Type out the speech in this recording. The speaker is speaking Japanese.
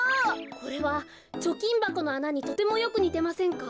これはちょきんばこのあなにとてもよくにてませんか？